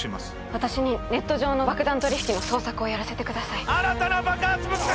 私にネット上の爆弾取引の捜索をやらせてください新たな爆発物が見つかりました！